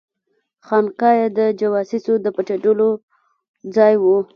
خانقاه یې د جواسیسو د پټېدلو ځای وو.